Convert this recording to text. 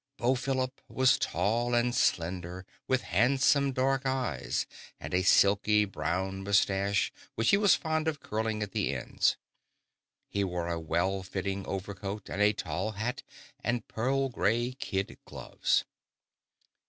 Beau Philip was tall and slender, with handsome dark eyes, and a silky brown moustache which he was fond of curling at the ends. He wore a well fitting overcoat, and a tall hat and pearl gray kid gloves.